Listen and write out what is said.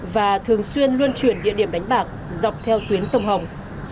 và thường xuyên luôn chuyển địa điểm đánh bạc dọc theo tuyến sông hồng